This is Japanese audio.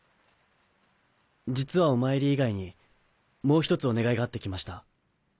実はお参り以外にもう一つお願いがあって来ました。